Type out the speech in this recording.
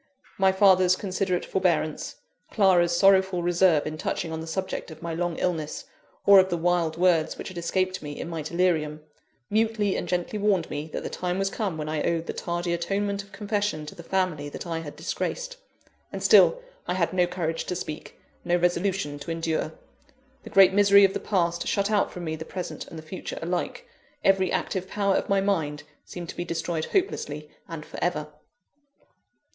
My father's considerate forbearance, Clara's sorrowful reserve in touching on the subject of my long illness, or of the wild words which had escaped me in my delirium, mutely and gently warned me that the time was come when I owed the tardy atonement of confession to the family that I had disgraced; and still, I had no courage to speak, no resolution to endure. The great misery of the past, shut out from me the present and the future alike every active power of my mind seemed to be destroyed hopelessly and for ever.